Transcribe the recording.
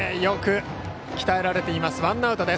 よく鍛えられています。